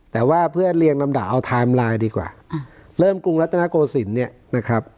แต่ว่าเพื่อเรียงลำดับเอาไทม์ไลน์ดีกว่าเริ่มกรุงรัฐนาโกศิลป์เนี่ยนะครับ